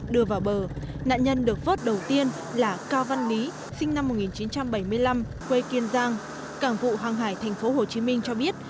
đưa vào bờ nạn nhân được vớt đầu tiên là cao văn lý sinh năm một nghìn chín trăm bảy mươi năm quê kiên giang cảng vụ hoàng hải tp hcm cho biết